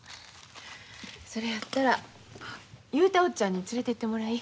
それやったら雄太おっちゃんに連れていってもらい。